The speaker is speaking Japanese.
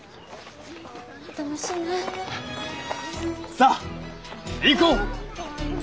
さあ行こう！